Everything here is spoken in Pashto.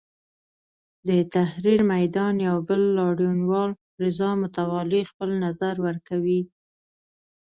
د تحریر میدان یو بل لاریونوال رضا متوالي خپل نظر ورکوي.